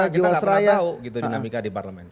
jawa seraya kita tidak pernah tahu dinamika di parlemen